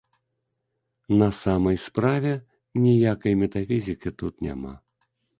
На самай справе, ніякай метафізікі тут няма.